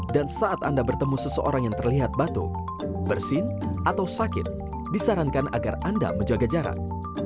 dan saat anda bertemu seseorang yang terlihat batuk bersin atau sakit disarankan agar anda menjaga jarak